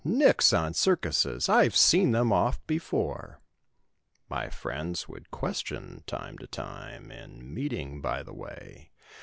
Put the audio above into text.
Nix on circuses— I've seen them oft before." My friends would question, time to time. In meeting by the way.